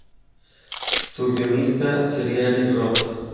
Su guionista sería Eric Roth.